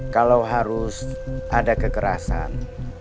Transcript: kalau harus ada kekerasan